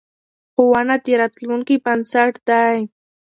ښوونه د راتلونکې بنسټ دی.